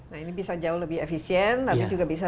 nah ini bisa jauh lebih efisien tapi juga bisa